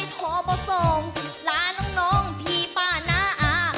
พบสองล้านน้องพี่ป้าน้าอา